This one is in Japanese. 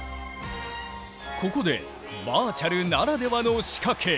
ここでバーチャルならではの仕掛け。